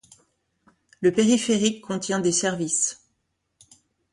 Le périphérique contient des services.